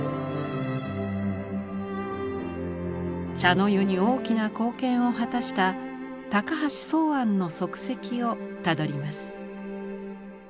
茶の湯に大きな貢献を果たした高橋箒庵の足跡をたどります。